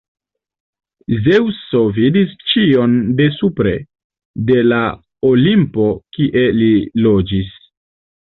Zeŭso vidis ĉion de supre, de la Olimpo, kie li loĝis.